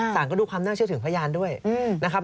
ก็ดูความน่าเชื่อถึงพยานด้วยนะครับ